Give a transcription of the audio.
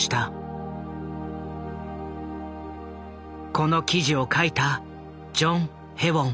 この記事を書いたジョン・へウォン。